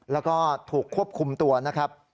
แล้วก็ถูกควบคุมตัวนะครับ